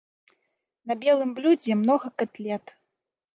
На белым блюдзе многа катлет.